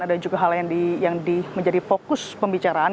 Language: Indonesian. ada juga hal yang menjadi fokus pembicaraan